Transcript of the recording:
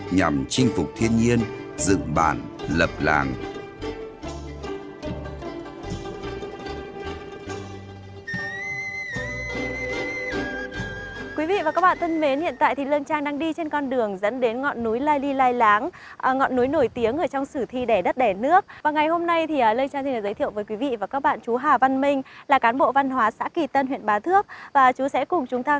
nhằm chinh phục thiên nhiên dựng bản lập làng